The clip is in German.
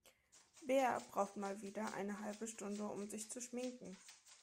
Bea braucht mal wieder eine halbe Stunde, um sich zu schminken.